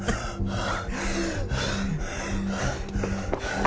ああ。